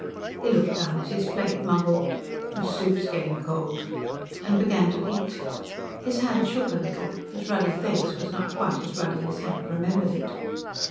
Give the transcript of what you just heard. He looked down at his plate, mumbled, "Soup's getting cold," and began to eat. His hand shook a little; his ruddy face was not quite as ruddy as Hank remembered it.